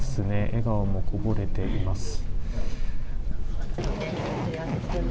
笑顔もこぼれています。